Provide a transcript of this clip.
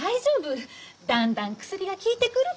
だんだん薬が効いてくるから。